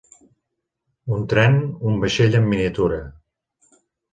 Un tren, un vaixell en miniatura.